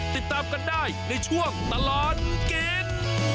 ติดตามกันได้ในช่วงตลอดกิน